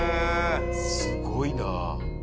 すごいな。